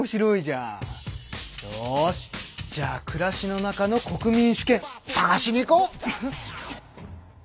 よしじゃあ暮らしの中の国民主権探しに行こう！